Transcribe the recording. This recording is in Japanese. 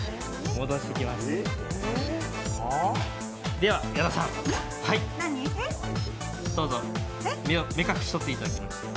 では、矢田さん、どうぞ目隠しとっていただきます。